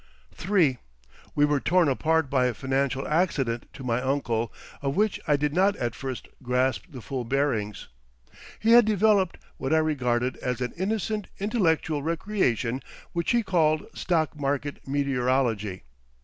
III We were torn apart by a financial accident to my uncle of which I did not at first grasp the full bearings. He had developed what I regarded as an innocent intellectual recreation which he called stock market meteorology.